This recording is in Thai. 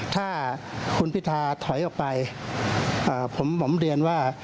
ถ้าคุณพิธาถอยออกไปผมเรียนว่า